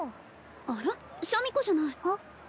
あらっシャミ子じゃないあっ？